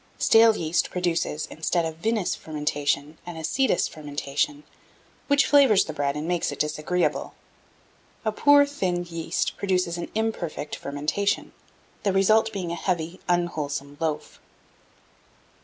Stale yeast produces, instead of vinous fermentation, an acetous fermentation, which flavours the bread and makes it disagreeable. A poor thin yeast produces an imperfect fermentation, the result being a heavy unwholesome loaf.